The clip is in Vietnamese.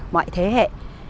mọi thế hệ